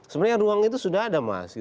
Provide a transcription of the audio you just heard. sebenarnya ruang itu sudah ada mas